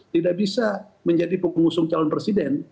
tidak bisa menjadi pengusung calon presiden